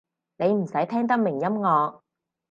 你唔使聽得明音樂